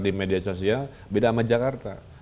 di media sosial beda sama jakarta